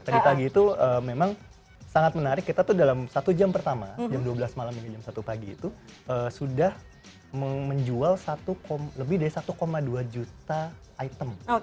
tadi pagi itu memang sangat menarik kita tuh dalam satu jam pertama jam dua belas malam hingga jam satu pagi itu sudah menjual lebih dari satu dua juta item